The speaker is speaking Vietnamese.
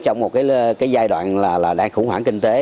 trong một cái giai đoạn là đang khủng hoảng kinh tế